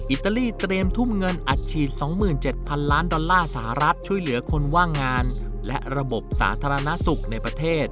อิตาลีเตรียมทุ่มเงินอัดฉีด๒๗๐๐๐ล้านดอลลาร์สหรัฐช่วยเหลือคนว่างงานและระบบสาธารณสุขในประเทศ